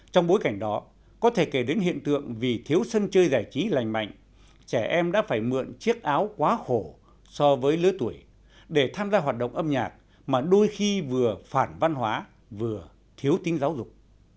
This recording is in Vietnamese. trong bối cảnh đó có thể kể đến hiện tượng vì thiếu sân chơi giải trí lành mạnh trẻ em đã phải mượn chiếc áo quá khổ so với lứa tuổi để tham gia hoạt động âm nhạc mà đôi khi vừa phản văn hóa vừa thiếu tính giáo dục